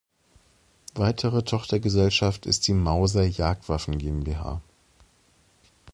Weitere Tochtergesellschaft ist die Mauser Jagdwaffen GmbH.